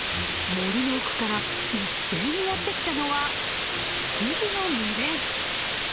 森の奥から一斉にやってきたのは、羊の群れ。